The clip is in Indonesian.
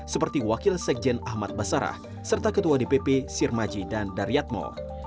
seperti wakil sekjen ahmad basarah serta ketua dpp sirmaji dan daryatmo